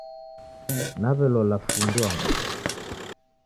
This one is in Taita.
Naw'elola fundi wa nguw'o.